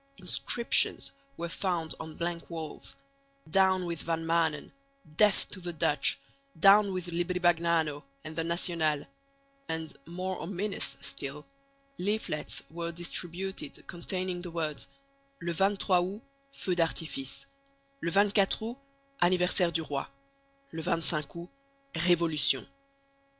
Inscriptions were found on blank walls Down with Van Maanen; Death to the Dutch; Down with Libri Bagnano and the National; and, more ominous still, leaflets were distributed containing the words _le 23 Août, feu d'artifice; le 24 Août, anniversaïre du Roi; le 25 Août, révolution.